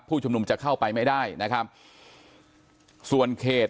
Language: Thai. ผู้ชุมนุมจะเข้าไปไม่ได้นะครับส่วนเขต